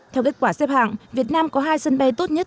theo kết quả xếp hạng việt nam có hai sân bay tốt nhất